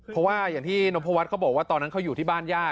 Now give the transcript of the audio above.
เพราะว่าอย่างที่นมพวัฒน์เขาบอกว่าตอนนั้นเขาอยู่ที่บ้านย่า